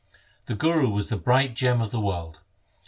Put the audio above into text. The Guru was the bright gem of the world.